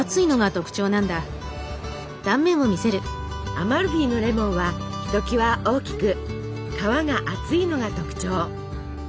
アマルフィのレモンはひときわ大きく皮が厚いのが特徴。